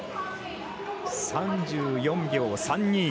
３４秒３２。